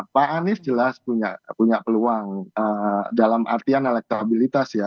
pak anies jelas punya peluang dalam artian elektabilitas ya